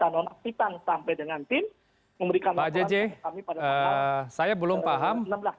kami pada tahun dua ribu enam belas pak jj saya belum paham